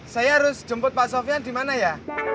saya harus jemput pak sofian dimana ya